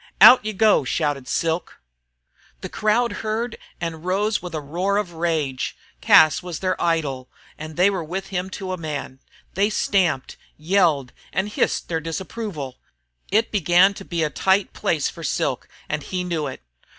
"Out you go!" shouted Silk. The crowd heard and rose with a roar of rage. Cas was their idol, and they were with him to a man. They stamped, yelled, and hissed their disapproval. It began to be a tight place for Silk, and he knew it.